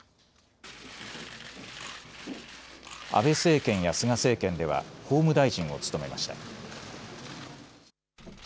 安倍政権や菅政権では法務大臣を務めました。